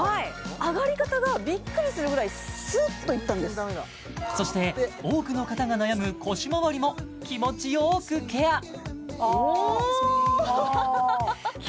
上がり方がビックリするぐらいスッといったんですそして多くの方が悩む腰まわりも気持ちよくケアああおおーっ！